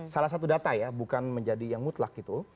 salah satu data ya bukan menjadi yang mutlak gitu